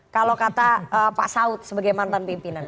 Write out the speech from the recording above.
kalau kata pak saud sebagai mantan pimpinan